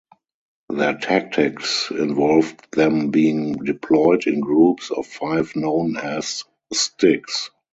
Their tactics involved them being deployed in groups of five known as "sticks".